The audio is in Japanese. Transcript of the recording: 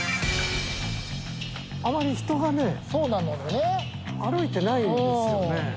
あまり人がね歩いてないんですよね。